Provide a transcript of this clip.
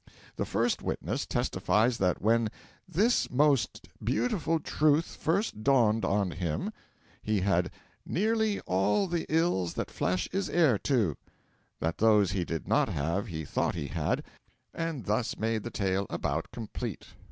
The first witness testifies that when 'this most beautiful Truth first dawned on him' he had 'nearly all the ills that flesh is heir to;' that those he did not have he thought he had and thus made the tale about complete.